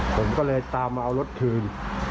ผมก็เลยตามมาเอารถคืน